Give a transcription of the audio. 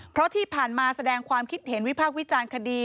เพราะที่ผ่านมาแสดงความคิดเห็นวิพากษ์วิจารณ์คดี